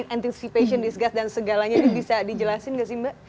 anticipation disgust dan segalanya ini bisa dijelasin gak sih mbak